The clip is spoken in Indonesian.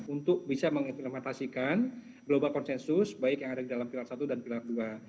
untuk bisa mengimplementasikan global konsensus baik yang ada di dalam pilar satu dan pilar dua